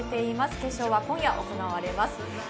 決勝は今夜行われます。